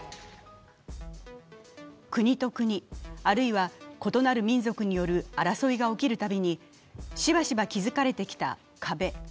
国と国あるいは異なる民族による争いが起きるたびにしばしば築かれてきた壁。